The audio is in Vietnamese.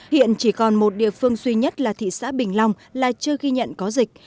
hiện chỉ còn một địa phương duy nhất là thị xã bình long là chưa ghi nhận có dịch